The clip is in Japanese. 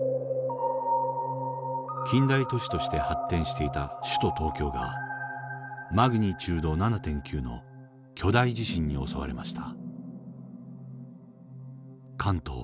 近代都市として発展していた首都東京がマグニチュード７．９の巨大地震に襲われました。